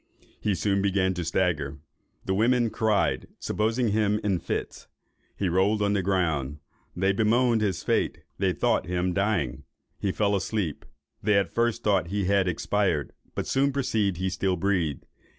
He soon began to stagger; the women cried, supposing him in fits; he rolled on the ground; they bemoan his fate; they thought him dying. He fell asleep. They at first thought he had expired, but soon perceived he still breathed.